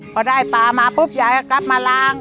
พอได้ปลามาปุ๊บยายก็กลับมาล้าง